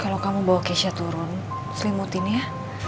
kalau kamu bawa keisha turun selimutin ya